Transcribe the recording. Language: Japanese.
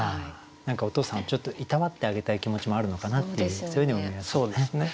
何かお父さんをちょっといたわってあげたい気持ちもあるのかなっていうそういうふうにも見えますよね。